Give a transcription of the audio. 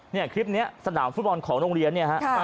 ในคลิปนี้สนามฟุตบอลของรุงเรียน